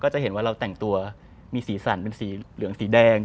จะเห็นว่าเราแต่งตัวมีสีสันเป็นสีเหลืองสีแดง